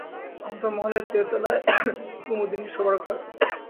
অন্দরমহলে তেতলায় কুমুদিনীর শোবার ঘর।